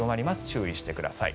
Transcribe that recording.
注意してください。